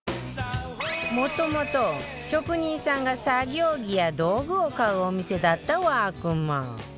もともと、職人さんが作業着や道具を買うお店だったワークマン